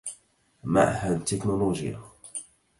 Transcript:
معهد التكنولوجيا